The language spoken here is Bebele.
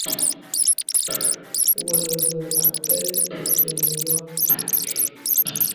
Wu nə və akə̀l, pək tənə yɔ̀.